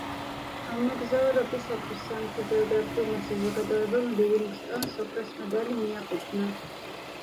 ამ მოგზაურობისათვის სამეფო გეოგრაფიულმა საზოგადოებამ ლივინგსტონს ოქროს მედალი მიაკუთვნა.